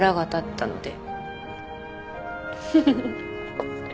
フフフッ。